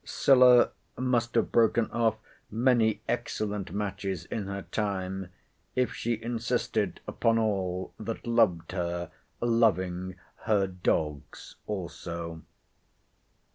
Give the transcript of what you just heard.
Scylla must have broken off many excellent matches in her time, if she insisted upon all, that loved her, loving her dogs also.